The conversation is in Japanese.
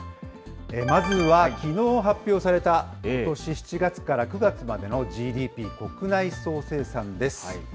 まずはきのう発表されたことし７月から９月までのＧＤＰ・国内総生産です。